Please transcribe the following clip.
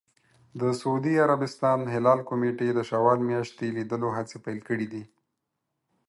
د سعودي عربستان هلال کمېټې د شوال میاشتې لیدلو هڅې پیل کړې دي.